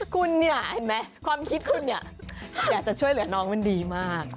คุณเนี่ยเห็นไหมความคิดคุณเนี่ยอยากจะช่วยเหลือน้องมันดีมาก